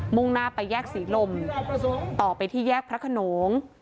่งหน้าไปแยกศรีลมต่อไปที่แยกพระขนง